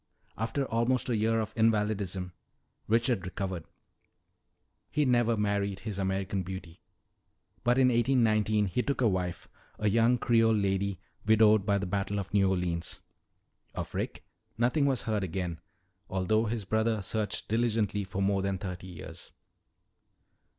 "After almost a year of invalidism, Richard recovered. He never married his American beauty. But in 1819 he took a wife, a young Creole lady widowed by the Battle of New Orleans. Of Rick nothing was heard again, although his brother searched diligently for more than thirty years."